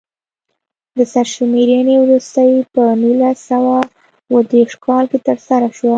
د سرشمېرنې وروستۍ په نولس سوه اووه دېرش کال کې ترسره شوه.